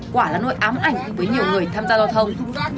quả là nỗi ám ảnh với nhiều người tham gia giao thông